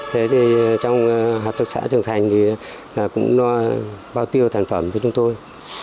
thế thì trong hợp tác xã trường thành thì cũng bao tiêu sản phẩm với chúng tôi